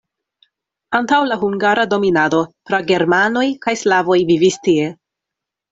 Antaŭ la hungara dominado pragermanoj kaj slavoj vivis tie.